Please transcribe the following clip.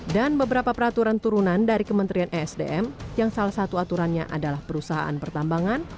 dan beberapa peraturan turunan dari kementerian esdm yang salah satu aturannya adalah perusahaan pertambangan